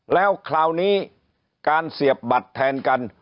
แล้วคราวนี้การเสียบบัตรแทนกัน